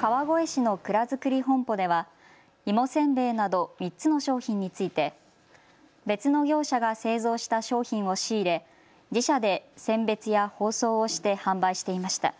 川越市のくらづくり本舗では芋せんべいなど３つの商品について別の業者が製造した商品を仕入れ自社で選別や包装をして販売していました。